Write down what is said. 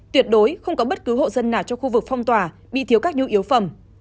tuyệt đối không có bất cứ hộ dân nào trong khu vực phong tỏa bị thiếu các nhu yếu phẩm